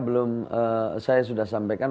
belum saya sudah sampaikan